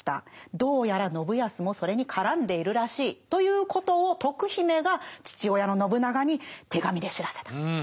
どうやら信康もそれに絡んでいるらしいということを徳姫が父親の信長に手紙で知らせた。